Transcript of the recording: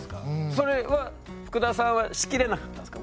それはふくださんは仕切れなかったんですか？